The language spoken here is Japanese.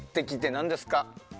何ですか？